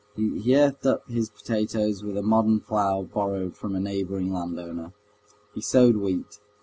He earthed up his potatoes with a modern plough borrowed from a neighboring landowner. He sowed wheat.